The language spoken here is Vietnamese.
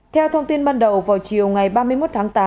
theo thông tin ban đầu vào chiều ngày ba mươi một tháng tám